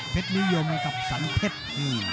เพชรนิยมกับสรรเพชร